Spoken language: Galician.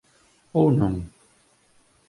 Ou non?